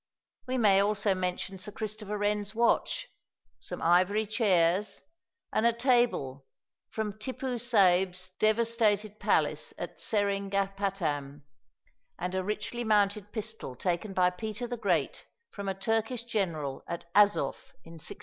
We may also mention Sir Christopher Wren's watch, some ivory chairs, and a table from Tippoo Saib's devastated palace at Seringapatam, and a richly mounted pistol taken by Peter the Great from a Turkish general at Azof in 1696.